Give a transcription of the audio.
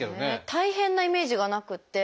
大変なイメージがなくて。